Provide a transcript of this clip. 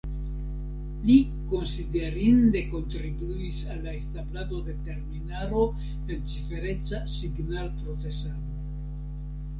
Li konsiderinde kontribuis al la establado de terminaro en cifereca signalprocesado.